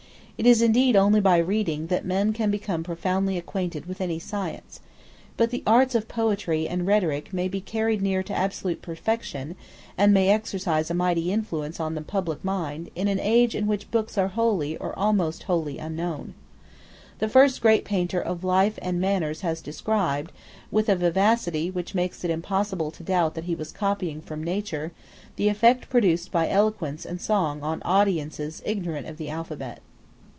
It is indeed only by reading that men can become profoundly acquainted with any science. But the arts of poetry and rhetoric may be carried near to absolute perfection, and may exercise a mighty influence on the public mind, in an age in which books are wholly or almost wholly unknown. The first great painter of life and manners has described, with a vivacity which makes it impossible to doubt that he was copying from nature, the effect produced by eloquence and song on audiences ignorant of the alphabet.